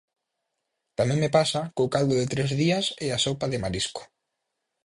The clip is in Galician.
Tamén me pasa co caldo de tres días e a sopa de marisco.